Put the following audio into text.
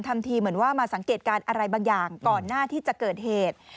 ทำทีเหมือนว่ามาสังเกตการณ์อะไรบางอย่างก่อนหน้าที่จะเกิดเหตุ